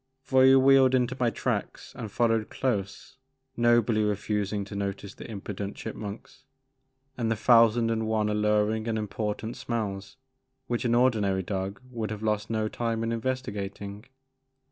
Voyou wheeled into my tracks and followed close, nobly refusing to notice the impudent chip munks and the thousand and one alluring and important smells which an ordinary dog would have lost no time in investigating.